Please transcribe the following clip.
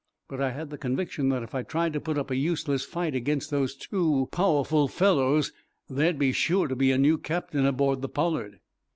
But I had the conviction that, if I tried to put up a useless fight against those two powerful fellows, there'd be sure to be a new captain aboard the 'Pollard.'"